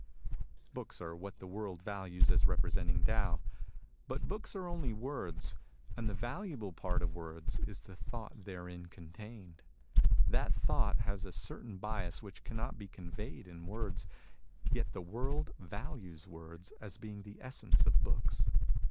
Books are what the world values as representing Tao. But books are only words, and the valuable part of words is the thought therein contained. That thought has a certain bias which cannot be conveyed in words, yet the world values words as being the essence of books.